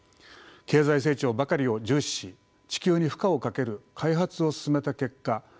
経済成長ばかりを重視し地球に負荷をかける開発を進めた結果